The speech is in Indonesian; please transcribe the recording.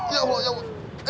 ya allah ya allah